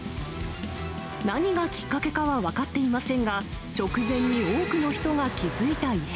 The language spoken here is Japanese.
何がきっかけかは分かっていませんが、直前に多くの人が気付いた異変。